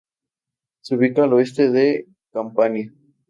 Se ubica al oeste de Campania.